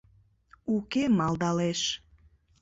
— Уке, — малдалеш.